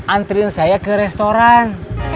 anterin saya ke restoran